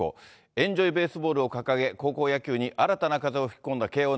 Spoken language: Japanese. エンジョイベースボールを掲げ、高校野球に新たな風を吹き込んだ慶応